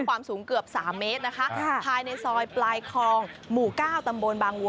ความสูงเกือบ๓เมตรนะคะภายในซอยปลายคลองหมู่เก้าตำบลบางวัว